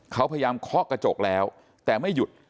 เขาพยายามเคาะกระจกแล้วแต่ไม่หยุด